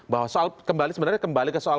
bahwa soal kembali sebenarnya kembali ke soal